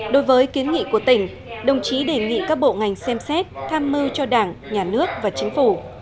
đối với kiến nghị của tỉnh đồng chí đề nghị các bộ ngành xem xét tham mưu cho đảng nhà nước và chính phủ